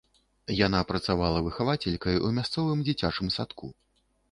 Яна працавала выхавацелькай у мясцовым дзіцячым садку.